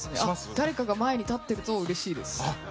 誰かが前に立ってるとうれしいです。